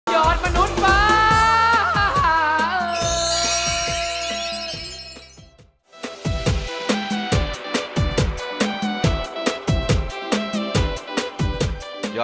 อดมนุษย์ว้า